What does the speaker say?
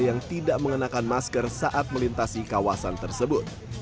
yang tidak mengenakan masker saat melintasi kawasan tersebut